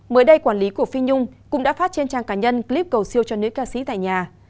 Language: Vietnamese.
mới đây quản lý của phi nhung cũng đã phát trên trang cá nhân clip cầu siêu cho nữ ca sĩ tại nhà